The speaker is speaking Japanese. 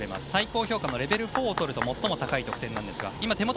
最高評価のレベル４だと最も高い得点です。